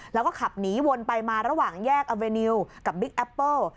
แล้วก็ขับหนีวนไปมาระหว่างแยกอเวนิวกับบิ๊กแอปเปิ้ล